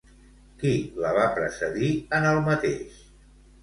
Qui la va precedir en el mateix?